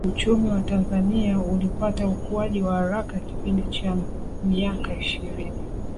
Uchumi wa Tanzania ulipata ukuaji wa haraka kipindi cha miaka ishirini